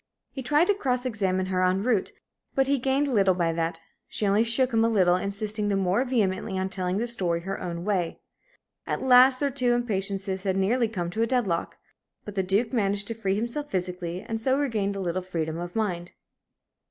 He tried to cross examine her en route, but he gained little by that; she only shook him a little, insisting the more vehemently on telling the story her own way. At last their two impatiences had nearly come to a dead lock. But the Duke managed to free himself physically, and so regained a little freedom of mind.